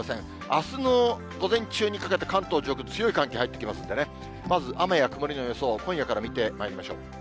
あすの午前中にかけて、関東上空に強い寒気入ってきますんでね、まず、雨や曇りの予想、今夜から見てまいりましょう。